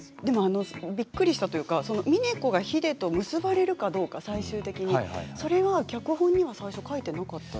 びっくりしたというかみね子がヒデと結ばれるかどうか最終的に、それは脚本には最初書いていなかったと。